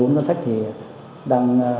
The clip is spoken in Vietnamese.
bốn ngân sách thì đang